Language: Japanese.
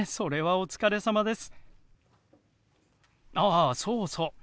おつかれさまです。